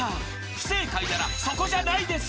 ［不正解なら「そこじゃないです」］